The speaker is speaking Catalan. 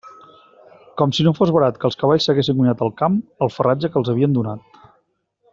Com si no fos barat que els cavalls s'haguessen guanyat al camp el farratge que els havien donat.